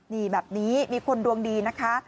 นี่แบบนี้มีคนดวงดีนะคะ